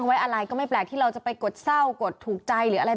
ไว้อะไรก็ไม่แปลกที่เราจะไปกดเศร้ากดถูกใจหรืออะไร